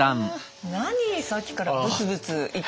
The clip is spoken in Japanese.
何さっきからブツブツ言ってるんですか？